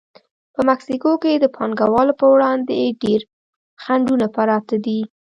په مکسیکو کې د پانګوالو پر وړاندې ډېر خنډونه پراته دي.